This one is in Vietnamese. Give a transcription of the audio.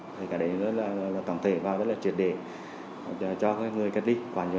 thì cả đấy nó tổng thể vào rất là truyền đề cho người cất ly